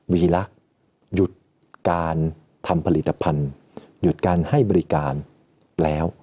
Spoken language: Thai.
วีรักษ์หยุดการทำผลิตภัณฑ์หยุดการให้บริการแล้ว